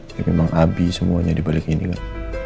tapi memang abi semuanya dibalik ini kan